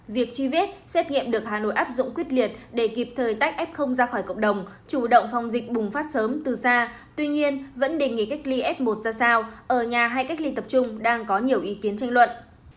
việc truy vết xét nghiệm được hà nội áp dụng quyết liệt để kịp thời tách f ra khỏi cộng đồng chủ động phòng dịch bùng phát sớm từ xa tuy nhiên vẫn đề nghị cách ly f một ra sao ở nhà hay cách ly tập trung đang có nhiều ý kiến tranh luận